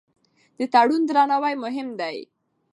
د تړون درناوی مهم دی.